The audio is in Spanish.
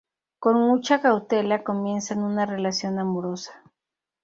Con mucha cautela, comienzan una relación amorosa.